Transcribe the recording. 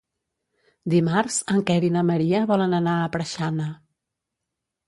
Dimarts en Quer i na Maria volen anar a Preixana.